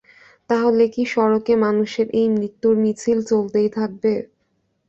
তাহলে কি সড়কে মানুষের এই মৃত্যুর মিছিল চলতেই থাকবে?